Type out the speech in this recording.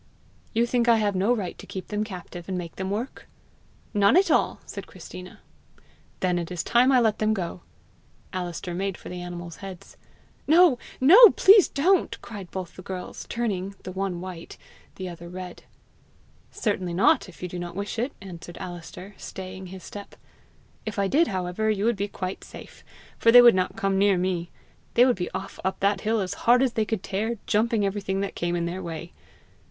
"You think I have no right to keep them captive, and make them work?" "None at all," said Christina. "Then it is time I let them go!" Alister made for the animals' heads. "No, no! please don't!" cried both the girls, turning, the one white, the other red. "Certainly not if you do not wish it!" answered Alister, staying his step. "If I did, however, you would be quite safe, for they would not come near me. They would be off up that hill as hard as they could tear, jumping everything that came in their way."